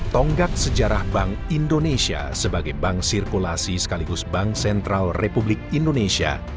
tonggak sejarah bank indonesia sebagai bank sirkulasi sekaligus bank sentral republik indonesia